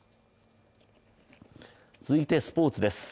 続いてスポーツです。